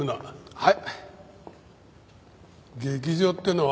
はい。